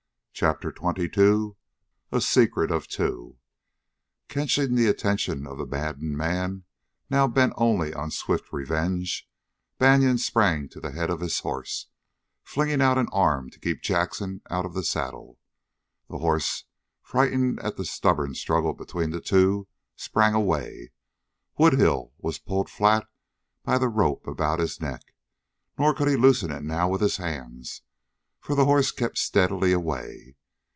CHAPTER XXII A SECRET OF TWO Catching the intention of the maddened man, now bent only on swift revenge, Banion sprang to the head of his horse, flinging out an arm to keep Jackson out of the saddle. The horse, frightened at the stubborn struggle between the two, sprang away. Woodhull was pulled flat by the rope about his neck, nor could he loosen it now with his hands, for the horse kept steadily away.